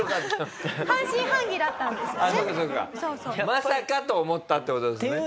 「まさか」と思ったって事ですよね。